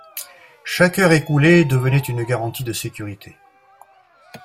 Chaque heure écoulée devenait une garantie de sécurité.